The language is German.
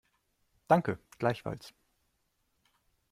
Danke, gleichfalls.